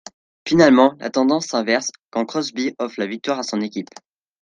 Finalement la tendance s'inverse quand Crosby offre la victoire à son équipe.